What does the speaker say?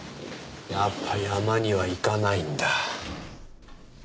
やっぱ山には行かないんだ。